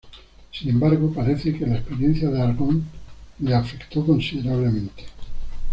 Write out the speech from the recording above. Sin embargo, parece que la experiencia de Argonne le afectó considerablemente.